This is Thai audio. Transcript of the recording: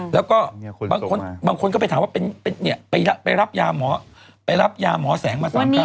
แล้วก็บางคนก็ไปถามว่าไปรับยาหมอแสงมาสร้างการ